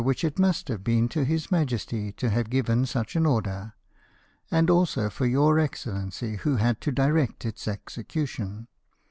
which it must have been to his Majesty to have given such an order ; and also for your Excellency, who had to direct its execution.